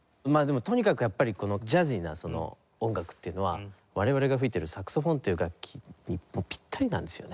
とにかくやっぱりこのジャジーな音楽っていうのは我々が吹いてるサクソフォンという楽器にもうピッタリなんですよね。